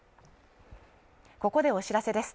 ここでお知らせです。